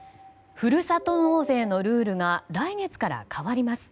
ふるさと納税のルールが来月から変わります。